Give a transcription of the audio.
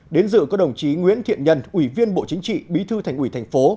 đến dự có đồng chí nguyễn thiện nhân ủy viên bộ chính trị bí thư thành ủy tp